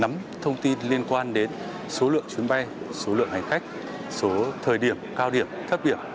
nắm thông tin liên quan đến số lượng chuyến bay số lượng hành khách số thời điểm cao điểm thất biểu